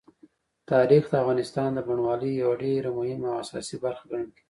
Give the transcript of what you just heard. تاریخ د افغانستان د بڼوالۍ یوه ډېره مهمه او اساسي برخه ګڼل کېږي.